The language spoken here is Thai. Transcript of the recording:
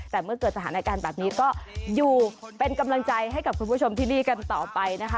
แต่เมื่อเกิดสถานการณ์แบบนี้ก็อยู่เป็นกำลังใจให้กับคุณผู้ชมที่นี่กันต่อไปนะคะ